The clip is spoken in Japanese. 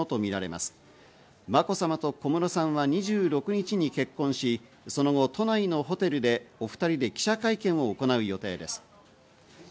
まこさまと小室さんは２６日に結婚し、その後、都内のホテルでお２人で記者会見を行う予定です。